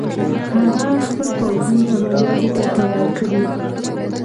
هغه خپل پوځونه عملیاتو ته تیار کړي.